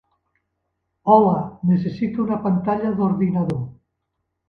Hola, necessito una pantalla d'ordinador.